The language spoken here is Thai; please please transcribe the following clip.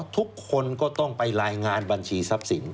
ทุกคนก็ต้องไปรายงานบัญชีทรัพย์สิน